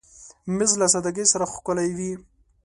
مېز له سادګۍ سره ښکلی وي.